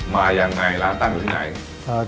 มายังไงร้านตั้งอยู่ที่ไหน